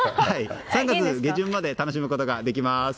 ３月下旬まで楽しむことができます。